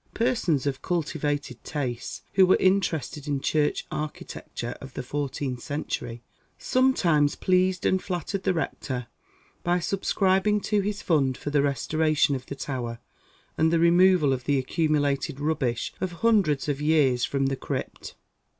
Persons of cultivated tastes, who were interested in church architecture of the fourteenth century, sometimes pleased and flattered the Rector by subscribing to his fund for the restoration of the tower, and the removal of the accumulated rubbish of hundreds of years from the crypt.